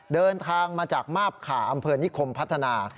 เดินทางมาจากมาบขาอำเภอนิคมพัฒนา